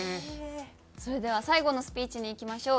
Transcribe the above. それでは最後のスピーチにいきましょう。